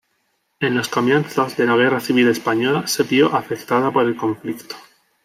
En los comienzos de la Guerra Civil Española se vio afectada por el conflicto.